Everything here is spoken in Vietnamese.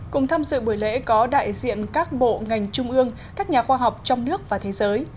cùng tham dự buổi lễ có đại diện các bộ ngành trung ương các nhà khoa học trong nước và thế giới